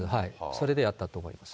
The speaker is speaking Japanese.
それでやったと思います。